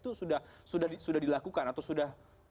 itu sudah dilakukan atau sudah